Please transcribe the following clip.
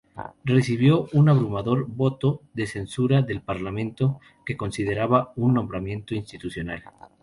Recibió un abrumador voto de censura del parlamento, que consideraba su nombramiento inconstitucional.